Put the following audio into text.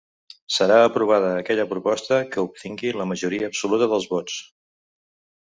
Serà aprovada aquella proposta que obtingui la majoria absoluta dels vots.